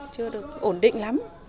chưa được ổn định lắm